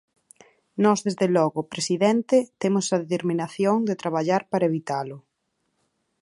Nós desde logo, presidente, temos a determinación de traballar para evitalo.